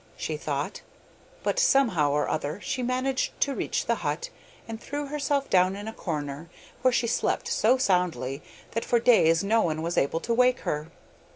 she thought, but somehow or other she managed to reach the hut, and threw herself down in a corner, where she slept so soundly that for days no one was able to wake her.